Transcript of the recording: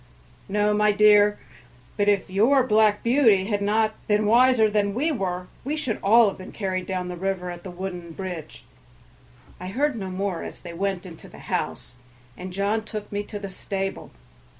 "No, my dear; but if your Black Beauty had not been wiser than we were we should all have been carried down the river at the wooden bridge." I heard no more, as they went into the house, and John took me to the stable.